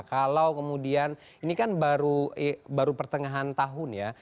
kalau kemudian ini kan baru pertengahan tahun ya